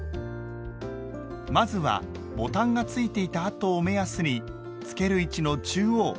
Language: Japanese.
まずはボタンがついていた跡を目安につける位置の中央を１針すくいます。